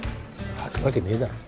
泣くわけねえだろう